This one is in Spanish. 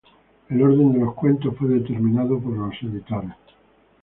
El orden de los cuentos fue determinado por los editores.